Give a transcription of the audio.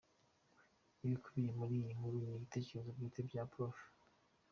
Ibikubiye muri iyi nkuru ni ibitekerezo bwite bya Prof.